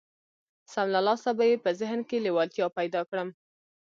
سم له لاسه به يې په ذهن کې لېوالتيا پيدا کړم.